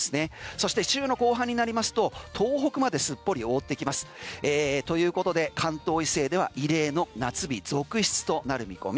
そして週の後半になりますと東北まですっぽり覆ってきますということで関東以西では異例の夏日続出となる見込み。